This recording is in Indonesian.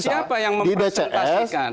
siapa yang memperkenalkan